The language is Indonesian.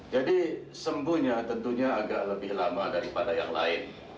jadi sembuhnya tentunya agak lebih lama daripada yang lain